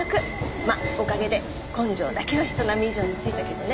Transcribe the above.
まあおかげで根性だけは人並み以上についたけどね。